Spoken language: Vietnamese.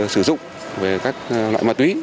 sử dụng về các loại ma túy